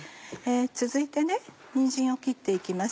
続いてにんじんを切って行きます。